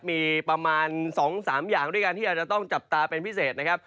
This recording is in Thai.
มีประมาณ๒๓อย่างด้วยกันที่อาจจะต้องจับตาเป็นพิเศษนะครับ